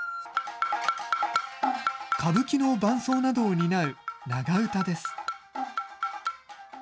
歌舞伎の伴奏などを担う長唄です。